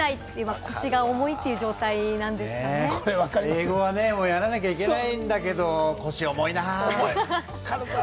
英語はね、やらなきゃいけないんだけど腰が重いな。